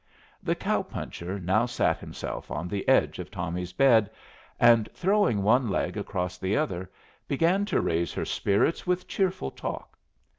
The cow puncher now sat himself on the edge of Tommy's bed, and, throwing one leg across the other, began to raise her spirits with cheerful talk.